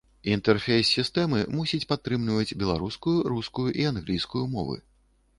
Інтэрфейс сістэмы мусіць падтрымліваць беларускую, рускую і англійскую мовы.